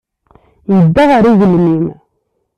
Yedda ɣer ugelmim.